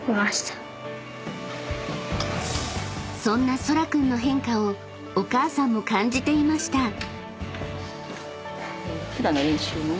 ［そんなそら君の変化をお母さんも感じていました］